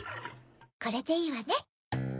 これでいいわね。